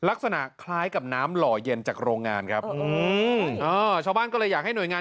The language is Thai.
ลักษณะคล้ายกับน้ำหล่อเย็นจากโรงงานครับชาวบ้านก็เลยอยากให้หน่วยงาน